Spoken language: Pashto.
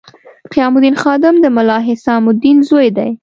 قیام الدین خادم د ملا حسام الدین زوی دی.